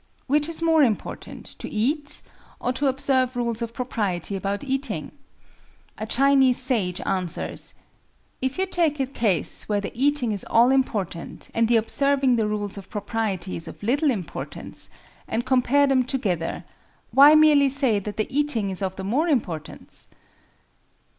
Which is more important, to eat or to observe rules of propriety about eating? A Chinese sage answers, "If you take a case where the eating is all important, and the observing the rules of propriety is of little importance, and compare them together, why merely say that the eating is of the more importance?"